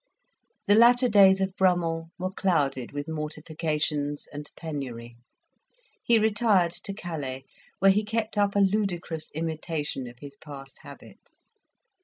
The latter days of Brummell were clouded with mortifications and penury. He retired to Calais, where he kept up a ludicrous imitation of his past habits.